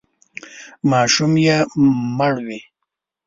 ماشوم یې مړوئ!